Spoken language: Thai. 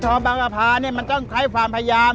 บางอภาเนี่ยมันต้องใช้ความพยายาม